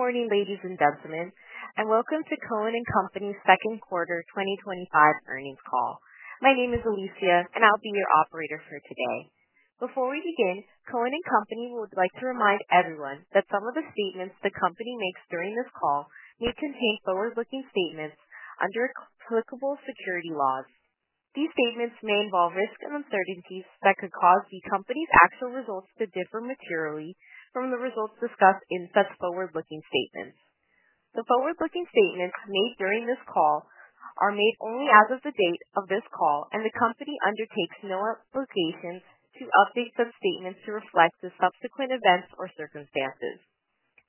Good morning, ladies and gentlemen, and welcome to Cohen & Company's second quarter 2025 earnings call. My name is Alicia, and I'll be your operator for today. Before we begin, Cohen & Company would like to remind everyone that some of the statements the company makes during this call may contain forward-looking statements under applicable securities laws. These statements may involve risks and uncertainties that could cause the company's actual results to differ materially from the results discussed in such forward-looking statements. The forward-looking statements made during this call are made only as of the date of this call, and the company undertakes no obligation to update such statements to reflect subsequent events or circumstances.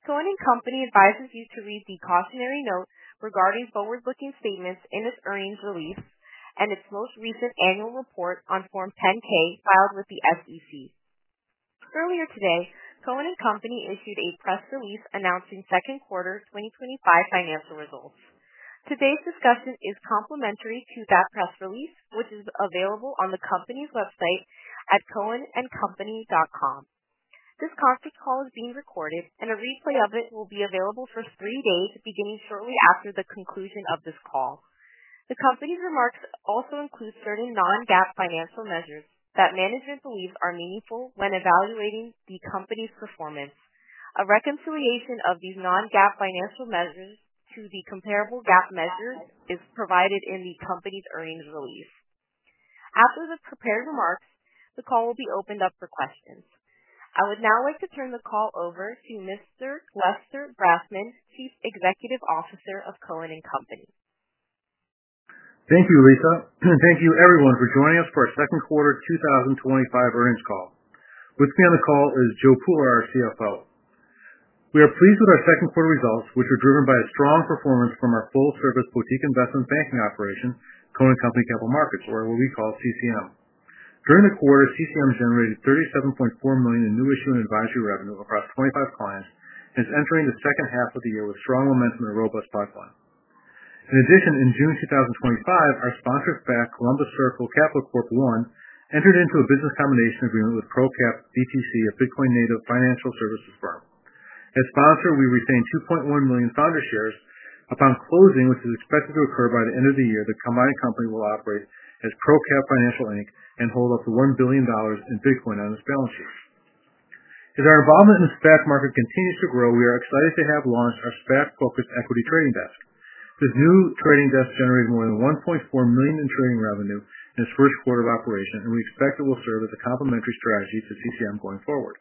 Cohen & Company advises you to read the cautionary note regarding forward-looking statements in its earnings release and its most recent annual report on Form 10-K filed with the SEC. Earlier today, Cohen & Company issued a press release announcing second quarter 2025 financial results. Today's discussion is complementary to that press release, which is available on the company's website at cohenandcompany.com. This conference call is being recorded, and a replay of it will be available for three days, beginning shortly after the conclusion of this call. The company's remarks also include certain non-GAAP financial measures that management believes are meaningful when evaluating the company's performance. A reconciliation of these non-GAAP financial measures to the comparable GAAP measures is provided in the company's earnings release. After the prepared remarks, the call will be opened up for questions. I would now like to turn the call over to Mr. Lester Brafman, Chief Executive Officer of Cohen & Company. Thank you, Alicia. Thank you, everyone, for joining us for our second quarter 2025 earnings call. With me on the call is Joe Pooler, our Chief Financial Officer. We are pleased with our second quarter results, which are driven by a strong performance from our full-service boutique investment banking operation, Cohen & Company Capital Markets, or what we call CCM. During the quarter, CCM generated $37.4 million in new issuing advisory revenue across 25 clients and is entering the second half of the year with strong momentum and a robust pipeline. In addition, in June 2025, our sponsored SPAC, Columbus Circle Capital Corp. I, entered into a business combination agreement with ProCap BTC, a Bitcoin-native financial services firm. As sponsor, we retain 2.1 million founders’ shares. Upon closing, which is expected to occur by the end of the year, the combined company will operate as ProCap Financial Inc. and hold up to $1 billion in Bitcoin on its balance sheet. As our involvement in the stock market continues to grow, we are excited to have launched our SPAC-focused equity trading desk. The new trading desk generated more than $1.4 million in trading revenue in its first quarter of operation, and we expect it will serve as a complementary strategy to CCM going forward.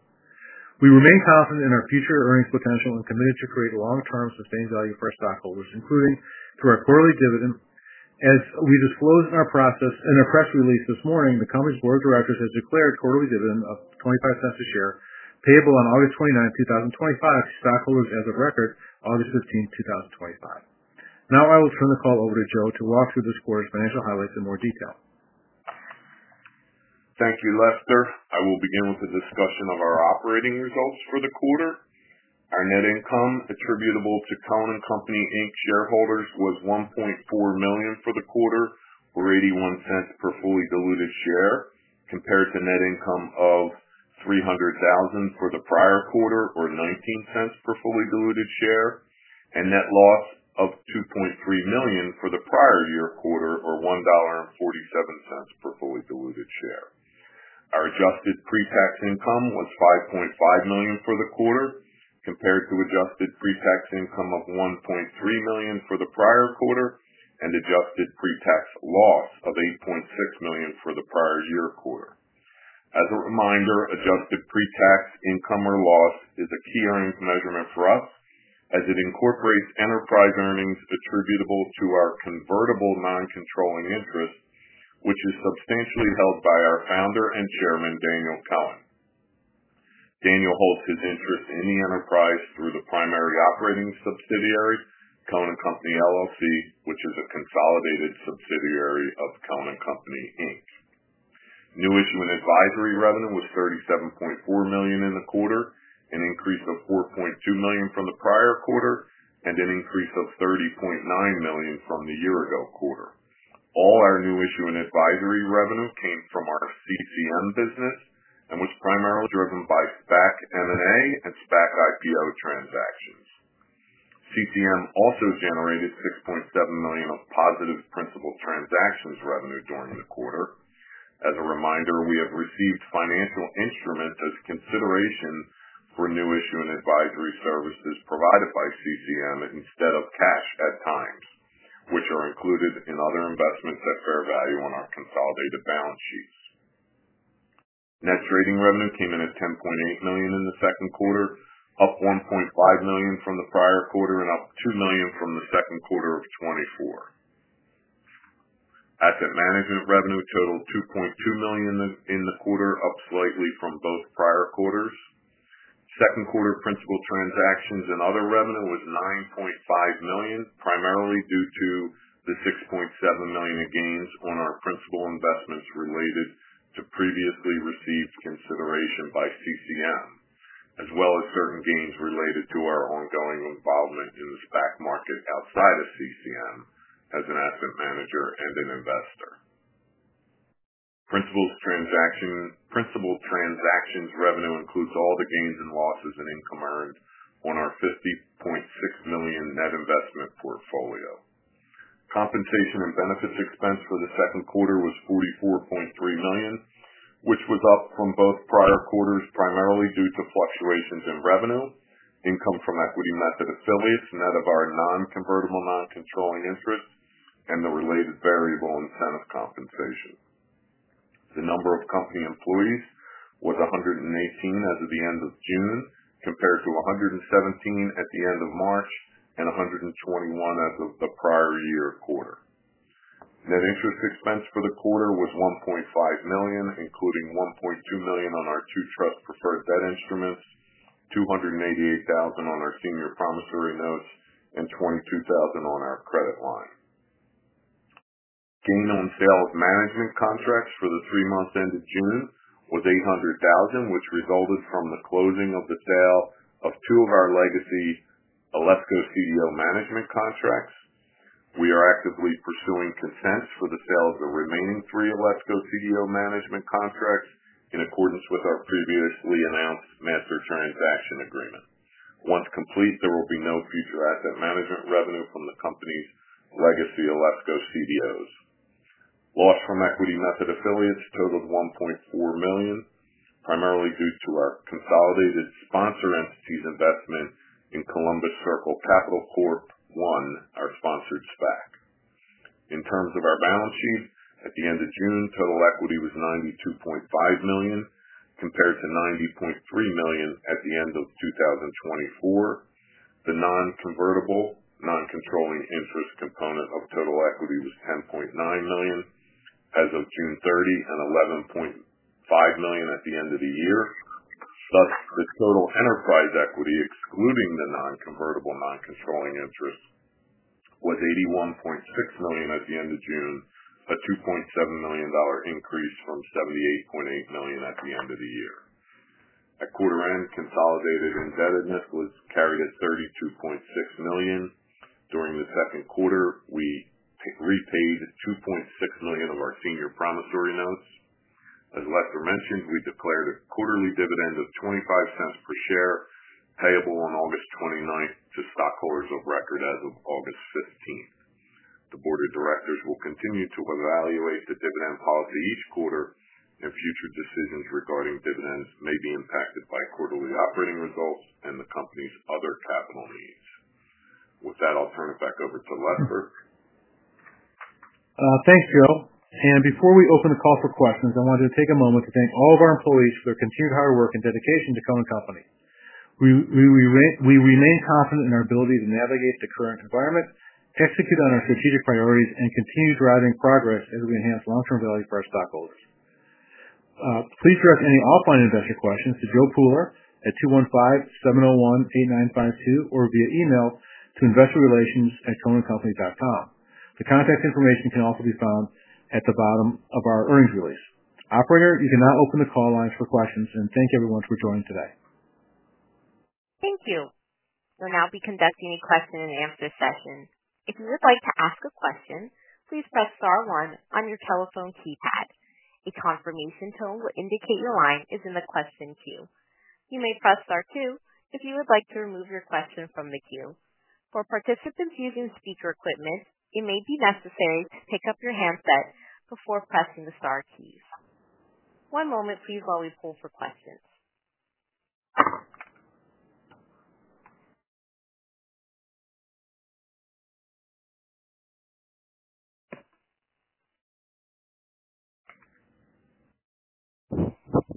We remain confident in our future earnings potential and committed to creating long-term sustained value for our stockholders, including through our quarterly dividend. As we disclosed in our press release this morning, the company’s board of directors has declared a quarterly dividend of $0.25 a share, payable on August 29th, 2025, to stockholders of record as of August 15, 2025. Now I will turn the call over to Joe to walk through this quarter’s financial highlights in more detail. Thank you, Lester. I will begin with the discussion of our operating results for the quarter. Our net income attributable to Cohen & Company Inc. shareholders was $1.4 million for the quarter, or $0.81 per fully diluted share, compared to net income of $300,000 for the prior quarter, or $0.19 per fully diluted share, and net loss of $2.3 million for the prior year quarter, or $1.47 per fully diluted share. Our adjusted pre-tax income was $5.5 million for the quarter, compared to adjusted pre-tax income of $1.3 million for the prior quarter and adjusted pre-tax loss of $8.6 million for the prior year quarter. As a reminder, adjusted pre-tax income or loss is a key earnings measurement for us, as it incorporates enterprise earnings attributable to our convertible non-controlling interest, which is substantially held by our founder and chairman, Daniel Cohen. Daniel holds his interest in the enterprise through the primary operating subsidiary, Cohen & Company LLC, which is a consolidated subsidiary of Cohen & Company Inc. New issuing advisory revenue was $37.4 million in the quarter, an increase of $4.2 million from the prior quarter, and an increase of $30.9 million from the year-ago quarter. All our new issuing advisory revenue came from our Cohen & Company Capital Markets business, and was primarily driven by SPAC M&A and SPAC IPO transactions. Cohen & Company Capital Markets also generated $6.7 million of positive principal transactions revenue during the quarter. As a reminder, we have received financial instruments as consideration for new issuing advisory services provided by Cohen & Company Capital Markets instead of cash at times, which are included in other investments at fair value on our consolidated balance sheet. Net trading revenue came in at $10.8 million in the second quarter, up $1.5 million from the prior quarter, and up $2 million from the second quarter of 2024. Asset management revenue totaled $2.2 million in the quarter, up slightly from both prior quarters. Second quarter principal transactions and other revenue was $9.5 million, primarily due to the $6.7 million in gains on our principal investments related to previously received consideration by Cohen & Company Capital Markets, as well as certain gains related to our ongoing involvement in the stock market outside of Cohen & Company Capital Markets as an asset manager and an investor. Principal transactions revenue includes all the gains and losses in income earned on our $50.6 million net investment portfolio. Compensation and benefits expense for the second quarter was $44.3 million, which was up from both prior quarters, primarily due to fluctuations in revenue, income from equity method affiliates, net of our non-convertible non-controlling interest, and the related variable incentive compensation. The number of company employees was 118 as of the end of June, compared to 117 at the end of March and 121 as of the prior year quarter. Net interest expense for the quarter was $1.5 million, including $1.2 million on our two trust preferred debt instruments, $288,000 on our senior promissory notes, and $22,000 on our credit line. Fully non-sales management contracts for the three months ended June was $800,000, which resulted from the closing of the sale of two of our legacy Alesco CDO management contracts. We are actively pursuing consent for the sale of the remaining three Alesco CDO management contracts in accordance with our previously announced master transaction agreement. Once complete, there will be no future asset management revenue from the company's legacy Alesco CDOs. Loss from equity method affiliates totaled $1.4 million, primarily due to our consolidated sponsor entities investment in Columbus Circle Capital Corp. I, our sponsored SPAC. In terms of our balance sheet, at the end of June, total equity was $92.5 million, compared to $90.3 million at the end of 2023. The non-convertible, non-controlling interest component of total equity was $10.9 million as of June 30th and $11.5 million at the end of the year. Thus, the total enterprise equity, excluding the non-convertible, non-controlling interest, was $81.6 million at the end of June, a $2.7 million increase from $78.8 million at the end of the year. At quarter end, consolidated indebtedness was carried at $32.6 million. During the second quarter, we repaid $2.6 million of our senior promissory notes. As Lester mentioned, we declared a quarterly dividend of $0.25 per share, payable on August 29th to stockholders of record as of August 15th. The board of directors will continue to evaluate the dividend policy each quarter, and future decisions regarding dividends may be impacted by quarterly operating results and the company's other capital needs. With that, I'll turn it back over to Lester. Thanks, Joe. Before we open the call for questions, I wanted to take a moment to thank all of our employees for their continued hard work and dedication to Cohen & Company Inc. We remain confident in our ability to navigate the current environment, execute on our strategic priorities, and continue driving progress as we enhance long-term value for our stockholders. Please direct any offline investment questions to Joe Pooler at 215-701-8952 or via email to investorrelations@cohenandcompany.com. The contact information can also be found at the bottom of our earnings release. Operator, you can now open the call lines for questions, and thank you, everyone, for joining today. Thank you. We'll now be conducting a question-and-answer session. If you would like to ask a question, please press star one on your telephone keypad. A confirmation tone will indicate your line is in the question queue. You may press star two if you would like to remove your question from the queue. For participants using speech or equipment, it may be necessary to pick up your handset before pressing the star keys. One moment while we pull for questions.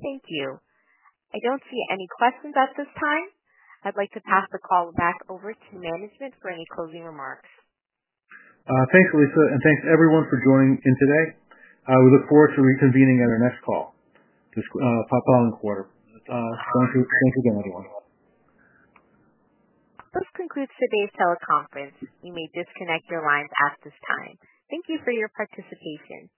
Thank you. I don't see any questions at this time. I'd like to pass the call back over to management for any closing remarks. Thanks, Alicia, and thanks, everyone, for joining in today. We look forward to reconvening at our next call this following quarter. Thanks again, everyone. This concludes today's teleconference. You may disconnect your lines at this time. Thank you for your participation.